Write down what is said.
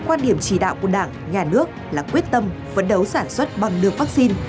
quan điểm chỉ đạo của đảng nhà nước là quyết tâm vận đấu sản xuất bằng nước vaccine